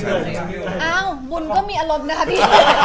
อ้าวบุญก็มีอารมณ์นะคะพี่